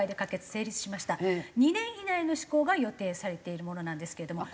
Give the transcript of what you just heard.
２年以内の施行が予定されているものなんですけれども。